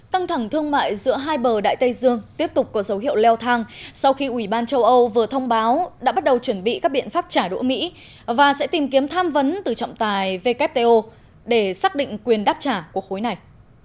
căng thẳng thương mại giữa hai bờ đại tây dương tiếp tục có dấu hiệu leo thang sau khi ủy ban châu âu vừa thông báo đã bắt đầu chuẩn bị các biện pháp trả đũa mỹ và sẽ tìm kiếm tham vấn từ trọng tài wto để xác định quyền đáp trả của khối này